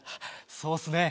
そうっすね